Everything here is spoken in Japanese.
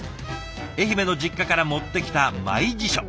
愛媛の実家から持ってきたマイ辞書。